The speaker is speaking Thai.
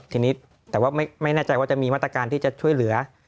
ทีนี้แต่ว่าไม่แน่ใจว่าจะมีมาตรการที่จะช่วยเหลือ